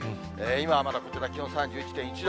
今はまだこちら、気温３１．１度。